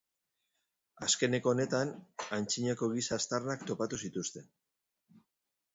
Azkeneko honetan antzinako giza aztarnak topatu zituzten.